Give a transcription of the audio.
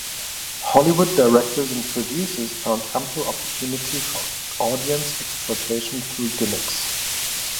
Hollywood directors and producers found ample opportunity for audience exploitation through gimmicks.